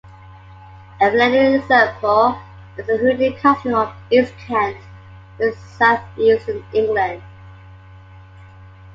A related example is the hoodening custom of East Kent in southeastern England.